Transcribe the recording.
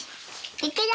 いくよ？